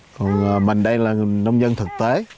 còn mình đây là nông dân thực tế